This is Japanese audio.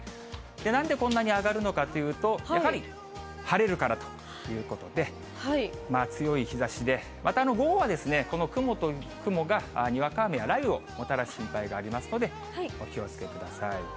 なんでこんなに上がるのかというと、やはり晴れるからということで、強い日ざしで、また、午後はこの雲と雲がにわか雨や雷雨をもたらす心配がありますので、お気をつけください。